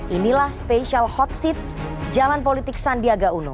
inilah spesial hot seat jalan politik sandiaga uno